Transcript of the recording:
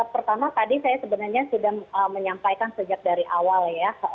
pertama tadi saya sebenarnya sudah menyampaikan sejak dari awal ya